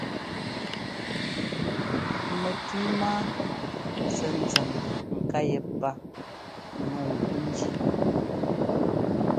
Mɛtʉ́ má sɛ́ nzěm nká yépá nǔu nguʼ njí.